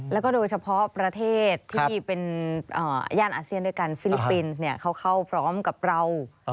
แล้วก็โดยเฉพาะประเทศที่เป็นย่านอาเซียนด้วยกันฟิลิปปินส์เขาเข้าพร้อมกับเรา